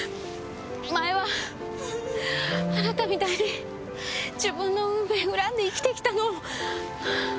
前はあなたみたいに自分の運命を恨んで生きてきたの。